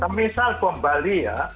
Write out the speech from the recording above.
misal kembali ya